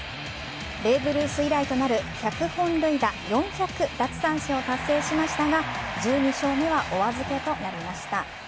ベーブ・ルース以来となる１００本塁打、４００奪三振を達成しましたが１２勝目はお預けとなりました。